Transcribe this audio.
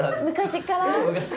昔から。